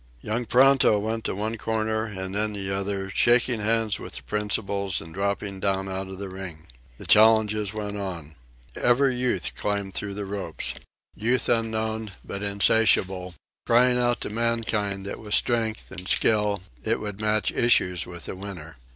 Young Pronto went to one corner and then the other, shaking hands with the principals and dropping down out of the ring. The challenges went on. Ever Youth climbed through the ropes Youth unknown, but insatiable crying out to mankind that with strength and skill it would match issues with the winner.